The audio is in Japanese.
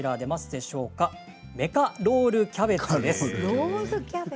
メカロールキャベツです。